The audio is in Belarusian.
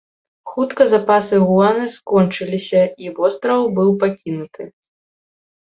Хутка запасы гуана скончыліся, і востраў быў пакінуты.